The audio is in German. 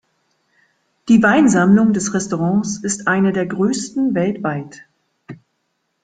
Die Weinsammlung des Restaurants ist eine der größten weltweit.